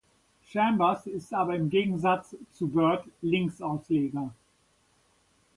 Chambers ist aber im Gegensatz zu Byrd Linksausleger.